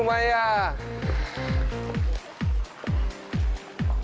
terima kasih bu